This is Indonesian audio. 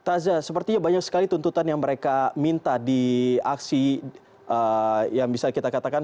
taza sepertinya banyak sekali tuntutan yang mereka minta di aksi yang bisa kita katakan